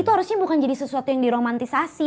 itu harusnya bukan jadi sesuatu yang diromantisasi